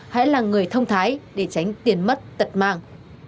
hãy là người thông thái để tránh tiền mất tật mang